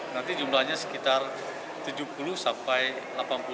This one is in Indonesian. nanti jumlahnya sekitar tujuh puluh sampai delapan puluh